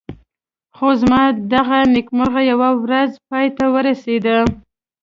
خو زما دغه نېکمرغي یوه ورځ پای ته ورسېده.